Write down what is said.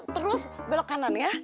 terus belok kanan ya